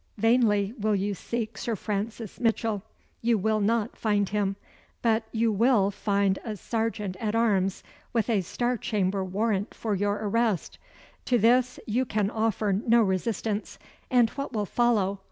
Vainly will you seek Sir Francis Mitchell. You will not find him, but you will find a serjeant at arms with a Star Chamber warrant for your arrest. To this you can offer no resistance; and what will follow?